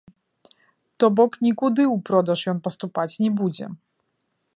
То бок нікуды ў продаж ён паступаць не будзе.